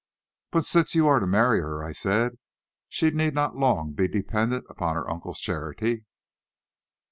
"But since you are to marry her," I said, "she need not long be dependent upon her uncle's charity."